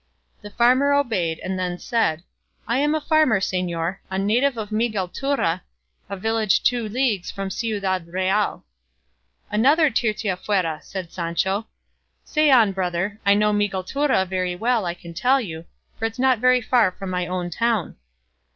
The farmer obeyed, and then said, "I am a farmer, señor, a native of Miguelturra, a village two leagues from Ciudad Real." "Another Tirteafuera!" said Sancho; "say on, brother; I know Miguelturra very well I can tell you, for it's not very far from my own town."